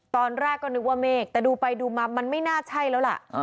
ตอนแรกก็นึกว่าเมฆแต่ดูไปดูมามันไม่น่าใช่แล้วล่ะ